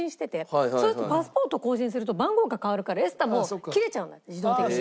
そうするとパスポートを更新すると番号が変わるからＥＳＴＡも切れちゃうんだって自動的に。